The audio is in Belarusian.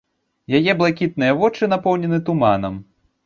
Яе блакітныя вочы напоўнены туманам.